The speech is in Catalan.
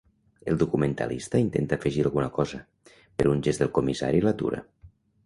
El documentalista intenta afegir alguna cosa, però un gest del comissari l'atura.